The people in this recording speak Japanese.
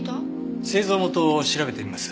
製造元を調べてみます。